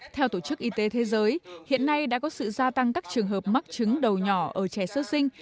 theo tổ chức y tế thế giới hiện nay đã có sự gia tăng các trường hợp mắc chứng đầu nhỏ ở trẻ sơ sinh